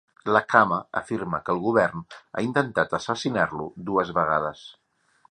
Dhlakama afirma que el govern ha intentat assassinar-lo dues vegades.